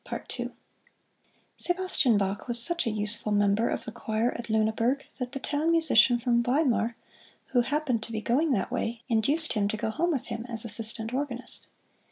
Sebastian Bach was such a useful member of the choir at Luneburg that the town musician from Weimar, who happened to be going that way, induced him to go home with him as assistant organist.